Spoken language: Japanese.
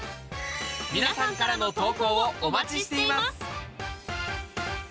皆さんからの投稿をお待ちしています。